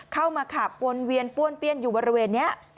ขับวนเวียนป้วนเปี้ยนอยู่บริเวณนี้